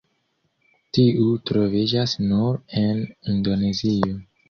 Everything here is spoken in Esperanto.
Tiu troviĝas nur en Indonezio.